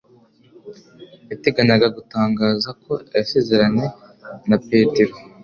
Yateganyaga gutangaza ko yasezeranye na Petero